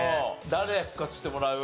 誰復活してもらう？